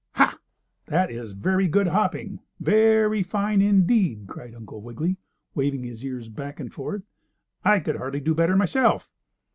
"Ha! That is very good hopping! Very fine, indeed!" cried Uncle Wiggily, waving his ears back and forth. "I could hardly do better myself."